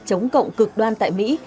chống cộng cực đoan tại mỹ